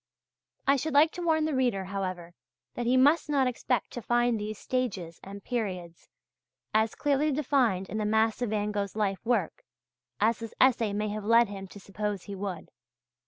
I should like to warn the reader, however, that he must not expect to find these stages and periods as clearly defined in the mass of Van Gogh's life work, as this essay may have led him to suppose he would.